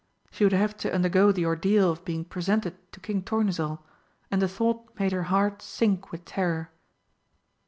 She would have to undergo the ordeal of being presented to King Tournesol, and the thought made her heart sink with terror.